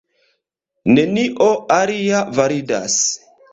Nenio alia validas.